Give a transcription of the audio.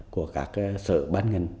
của các sở bán ngân